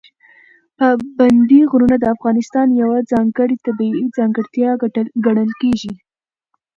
پابندي غرونه د افغانستان یوه ځانګړې طبیعي ځانګړتیا ګڼل کېږي.